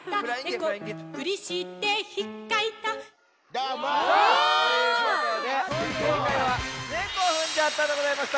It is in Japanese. どーも。ということでこんかいは「ねこふんじゃった」でございました。